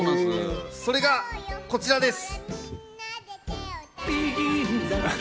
それが、こちらです。